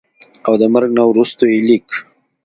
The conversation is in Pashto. او دَمرګ نه وروستو ئې ليک